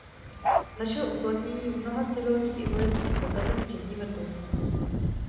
Našel uplatnění v mnoha civilních i vojenských letadlech včetně vrtulníků.